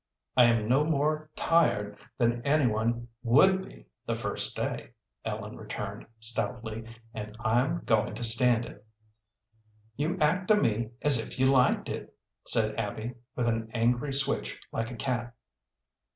"I am no more tired than any one would be the first day," Ellen returned, stoutly, "and I'm going to stand it." "You act to me as if you liked it," said Abby, with an angry switch like a cat.